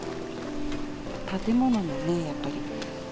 建物はね、やっぱり。